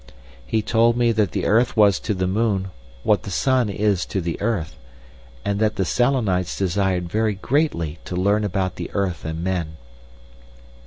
He told me that the earth was to the moon what the sun is to the earth, and that the Selenites desired very greatly to learn about the earth and men.